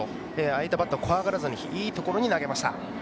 相手バッターを怖がらずいいところに投げました。